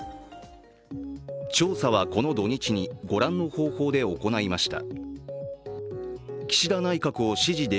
調査はこの土日に、ご覧の方法で行いました。